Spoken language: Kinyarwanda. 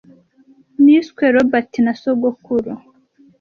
Niswe Robert na sogokuru.